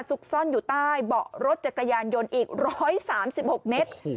ซุกซ่อนอยู่ใต้เบาะรถจักรยานยนต์อีก๑๓๖เมตร